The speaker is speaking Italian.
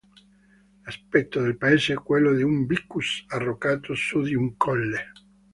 L'aspetto del paese è quello di un "vicus" arroccato su di un colle.